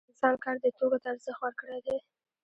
د انسان کار دې توکو ته ارزښت ورکړی دی